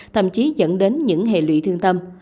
thậm chí dẫn đến những hệ lụy thương tâm